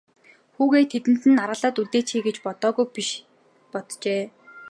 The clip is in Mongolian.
Хүүгээ тэнд нь аргалаад үлдээчихье гэж бодоогүй биш боджээ.